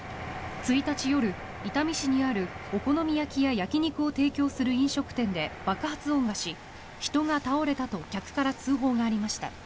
１日夜、伊丹市にあるお好み焼きや焼き肉を提供する飲食店で爆発音がし人が倒れたと客から通報がありました。